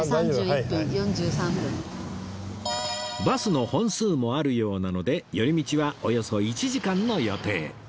バスの本数もあるようなので寄り道はおよそ１時間の予定